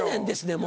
もう。